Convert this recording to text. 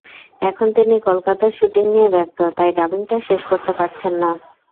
এখন তিনি কলকাতায় শুটিং নিয়ে ব্যস্ত, তাই ডাবিংটা শেষ করতে পারছেন না।